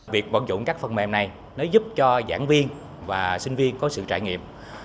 việc bổng dụng các phần mềm này nó giúp cho giảng viên và sinh viên có sự trải nghiệm